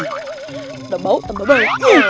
udah bau tembak banget